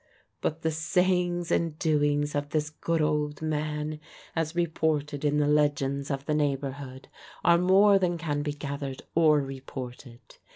But the sayings and doings of this good old man, as reported in the legends of the neighborhood, are more than can be gathered or reported.